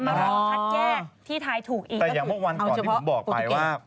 แต่อย่างพวกวันก่อนที่ผมบอกไปว่า